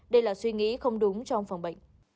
đây là suy nghĩ không đúng trong phòng bệnh